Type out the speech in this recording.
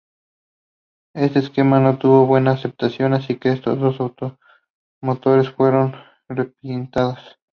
Este esquema no tuvo buena aceptación, así que estos dos automotores fueron repintados.